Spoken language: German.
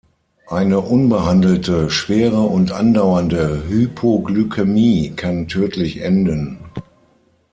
Eine unbehandelte schwere und andauernde Hypoglykämie kann tödlich enden.